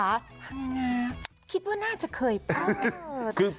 พังงาคิดว่าน่าจะเคยพลาด